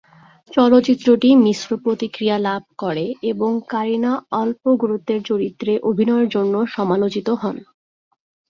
চলচ্চিত্রটি মিশ্র প্রতিক্রিয়া লাভ করে এবং কারিনা অল্প গুরুত্বের চরিত্রে অভিনয়ের জন্য সমালোচিত হন।